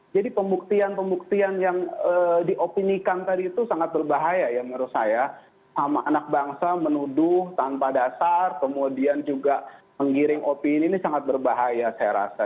jadi pembuktian pembuktian yang diopinikan tadi itu sangat berbahaya menurut saya sama anak bangsa menuduh tanpa dasar kemudian juga menggiring opini ini sangat berbahaya saya rasa